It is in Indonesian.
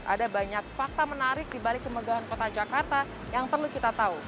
ada banyak fakta menarik di balik kemegahan kota jakarta yang perlu kita tahu